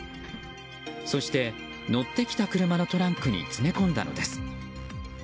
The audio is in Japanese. そして乗ってきた車のトランクに詰め込んだのです。